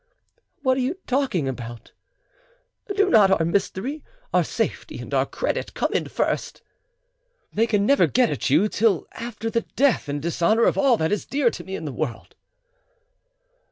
"What are you talking about? Do not our mystery, our safety, and our credit come in first? "They can never get at you till after the death and dishonour of all that is dear to me in the world."